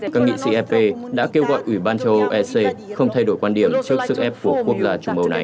các nghị sĩ ep đã kêu gọi ủy ban châu âu ec không thay đổi quan điểm trước sức ép của quốc gia trung âu này